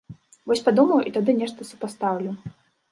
Вось падумаю і тады нешта супастаўлю.